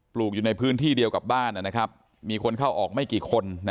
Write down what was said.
ลูกอยู่ในพื้นที่เดียวกับบ้านมีคนเข้าออกไม่กี่คน